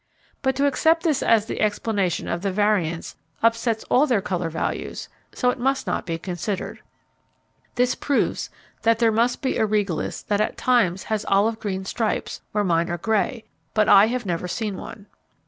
But to accept this as the explanation of the variance upsets all their colour values, so it must not be considered. This proves that there must be a Regalis that at times has olive green stripes where mine are grey; but I never have seen one.